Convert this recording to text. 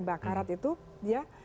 bakarat itu ya